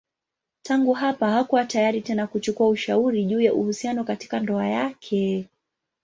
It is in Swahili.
Tangu hapa hakuwa tayari tena kuchukua ushauri juu ya uhusiano katika ndoa yake.